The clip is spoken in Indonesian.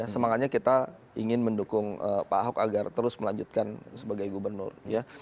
semangatnya kita ingin mendukung pak ahok agar terus melanjutkan sebagai gubernur ya